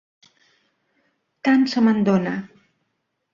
Tant se me'n dona.